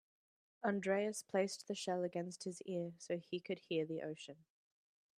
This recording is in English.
Andreas placed the shell against his ear so he could hear the ocean.